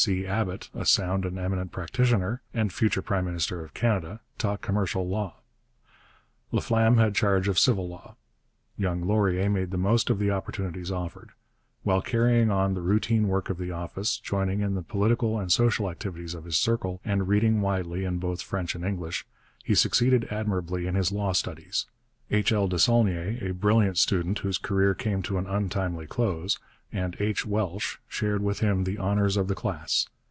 C. Abbott, a sound and eminent practitioner, and a future prime minister of Canada, taught commercial law. Laflamme had charge of civil law. Young Laurier made the most of the opportunities offered. While carrying on the routine work of the office, joining in the political and social activities of his circle, and reading widely in both French and English, he succeeded admirably in his law studies. H. L. Desaulniers, a brilliant student whose career came to an untimely close, and H. Welsh, shared with him the honours of the class.